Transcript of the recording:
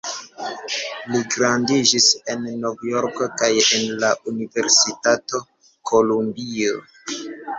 Li gradiĝis en Novjorko kaj en la Universitato Kolumbio.